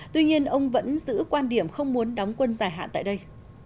tuy nhiên ông vẫn giữ quan điểm không muốn đóng quân dài hạn tại đây